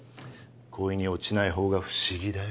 恋に落ちないほうが不思議だよ。